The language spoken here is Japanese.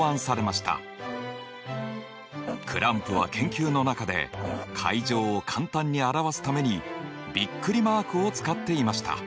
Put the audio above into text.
クランプは研究の中で階乗を簡単に表すためにびっくりマークを使っていました。